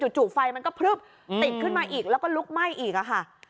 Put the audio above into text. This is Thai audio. จู่ไฟมันก็พลึบติดขึ้นมาอีกแล้วก็ลุกไหม้อีกค่ะ